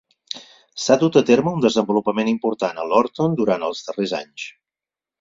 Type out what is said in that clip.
S'ha dut a terme un desenvolupament important a Lorton durant els darrers anys.